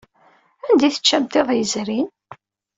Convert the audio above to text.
Anda ay teččamt iḍ yezrin?